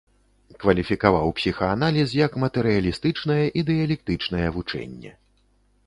Кваліфікаваў псіхааналіз як матэрыялістычнае, і дыялектычнае вучэнне.